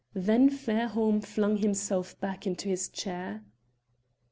Then Fairholme flung himself back into his chair.